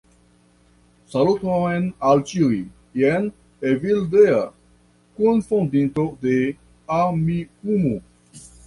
Saluton al ĉiuj! Jen Evildea, kunfondinto de Amikumu!